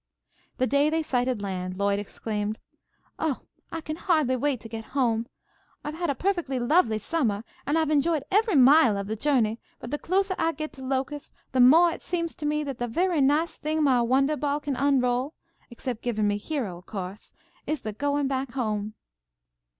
The day they sighted land, Lloyd exclaimed: "Oh, I can hardly wait to get home! I've had a perfectly lovely summah, and I've enjoyed every mile of the journey, but the closah I get to Locust the moah it seems to me that the very nicest thing my wondah ball can unroll (except givin' me Hero, of co'se) is the goin' back home."